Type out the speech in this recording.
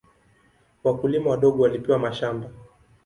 Wakulima wadogo walipewa mashamba.